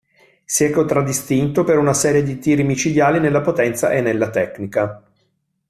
Si è contraddistinto per una serie di tiri micidiali nella potenza e nella tecnica.